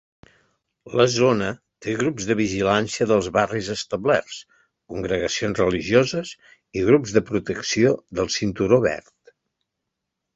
La zona té grups de vigilància dels barris establerts, congregacions religioses i grups de protecció del cinturó verd.